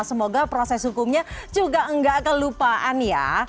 semoga proses hukumnya juga enggak kelupaan ya